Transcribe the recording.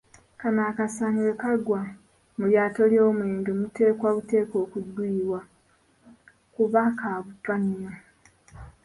Kano akasaanyi bwe kagwa mu lyato ly'omwenge, muteekwa buteekwa okuguyiwa kuba ka butwa nnyo.